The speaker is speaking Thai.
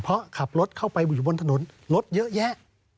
เพราะขับรถเข้าไปอยู่บนถนนรถเยอะแยะ